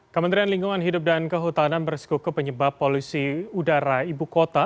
kementerian lingkungan hidup dan kehutanan bersekuku penyebab polusi udara ibu kota